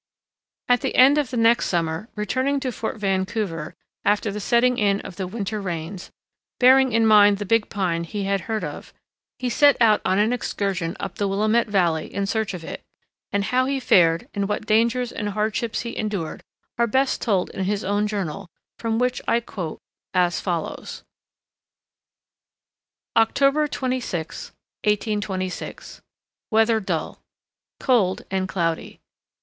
At the end of the next summer, returning to Fort Vancouver after the setting in of the winter rains, bearing in mind the big pine he had heard of, he set out on an excursion up the Willamette Valley in search of it; and how he fared, and what dangers and hardships he endured, are best told in his own journal, from which I quote as follows: October 26, 1826. Weather dull. Cold and cloudy.